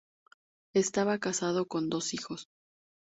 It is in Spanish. Estaba casado con dos hijos.